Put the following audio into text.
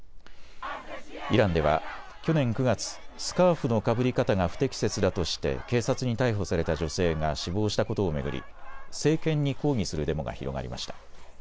イランでは去年９月、スカーフのかぶり方が不適切だとして警察に逮捕された女性が死亡したことを巡り政権に抗議するデモが広がりました。